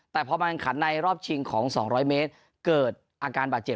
แต่พอมันขันในรอบชิงของสองร้อยเมตรเกิดอาการบาดเจ็บ